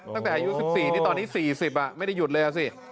ตั้งแต่อายุ๑๔นี่ตอนนี้๔๐ไม่ได้หยุดเลยอ่ะสิ